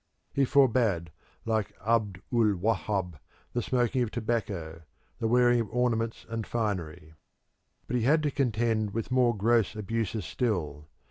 He forbade, like Abd ul Wahhab, the smoking of tobacco, the wearing of ornaments and finery. But he had to contend with more gross abuses still.